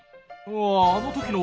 ああの時の。